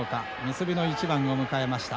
結びの一番を迎えました。